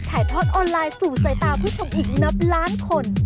ถ่ายทอดออนไลน์สู่สายตาผู้ชมอีกนับล้านคน